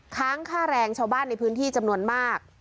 ค้างค่าแรงชาวบ้านในพื้นที่จำนวนมาก